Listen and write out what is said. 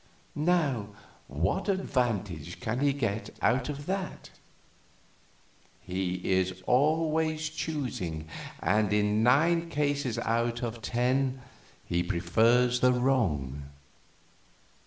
Now what advantage can he get out of that? He is always choosing, and in nine cases out of ten he prefers the wrong.